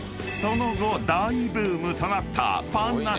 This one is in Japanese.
［その後大ブームとなった］